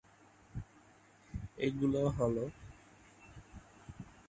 এগুলো হল-